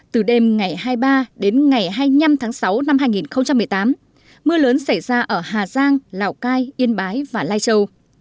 từ đêm ngày hai mươi ba đến ngày hai mươi năm tháng sáu năm hai nghìn một mươi tám mưa lớn xảy ra ở hà giang lào cai yên bái và lai châu